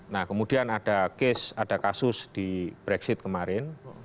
nah kemudian ada case ada kasus di brexit kemarin